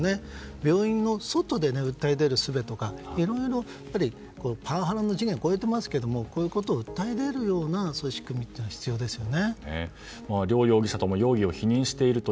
病院の外で訴えるすべとかいろいろ、やっぱりパワハラの次元を超えていますけれどもこういうことを訴え出るような仕組みが必要ですよね。